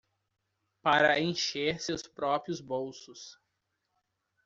Para encher seus próprios bolsos.